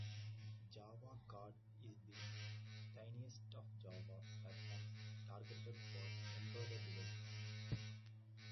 Java Card is the tiniest of Java platforms targeted for embedded devices.